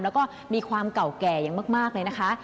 แล้วก็มีความเก่าแก่อย่างมากเลยนะคะ